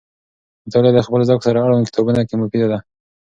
مطالعه د خپل ذوق سره اړوند کتابونو کې مفیده ده.